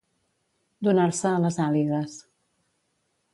Donar-se a les àligues.